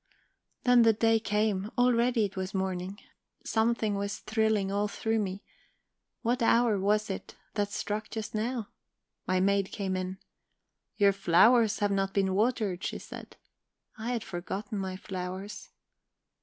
"Then the day came already it was morning. Something was thrilling all through me. What hour was it that struck just now? "My maid came in. "'Your flowers have not been watered,' she said. "I had forgotten my flowers.